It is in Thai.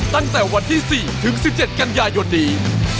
ตั้งแต่วันที่๔ถึง๑๗กันยายนนี้